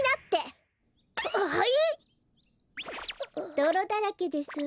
どろだらけですわ。